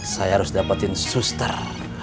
saya harus dapetin suster